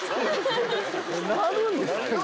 なるんですけど。